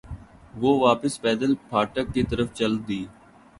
وہ واپس پیدل پھاٹک کی طرف چل دی۔